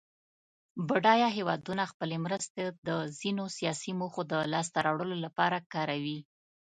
بډایه هېوادونه خپلې مرستې د ځینو سیاسي موخو د لاس ته راوړلو لپاره کاروي.